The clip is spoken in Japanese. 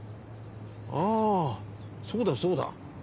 ああそうだそうだ。